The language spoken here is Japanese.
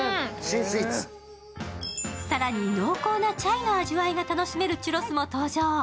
更に、濃厚なチャイの味が楽しめるチュロスも登場。